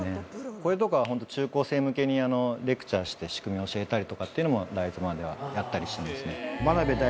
これとかは本当中高生向けにレクチャーして仕組み教えたりとかっていうのもライゾマではやったりしますね。